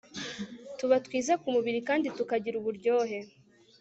tuba twiza ku mubiri kandi tukagira uburyohe …